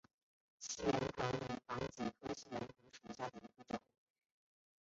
细圆藤为防己科细圆藤属下的一个种。